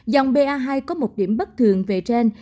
dòng ba hai có một điểm bất thường về trên